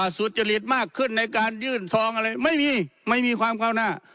สุจริตมากขึ้นในการยื่นซองอะไรไม่มีไม่มีความก้าวหน้า